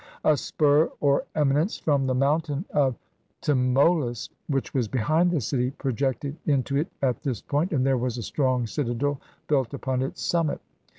A spur or eminence from the mountain of 323 PERSIA Tmolus, which was behind the city, projected into it at tliis point, and there was a strong citadel built upon its summit.